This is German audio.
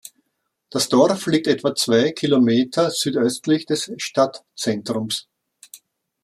Das Dorf liegt etwa zwei Kilometer südöstlich des Stadtzentrums.